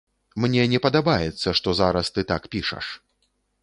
Мне не падабаецца, што зараз ты так пішаш.